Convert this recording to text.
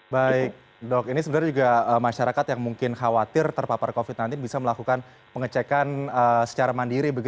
baik dok ini sebenarnya juga masyarakat yang mungkin khawatir terpapar covid sembilan belas bisa melakukan pengecekan secara mandiri